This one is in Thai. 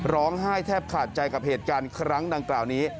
ร้องไห้แทบขาดใจกับเหตุการณ์ครั้งดังกล่าวนี้